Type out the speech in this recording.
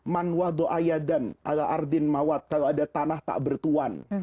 kalau ada tanah tak bertuan